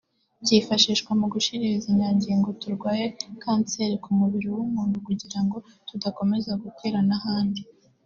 cyifashishwa mu gushiririza utunyangingo turwaye kanseri ku mubiri w’umuntu kugirango tudakomeza gukwira n’ahandi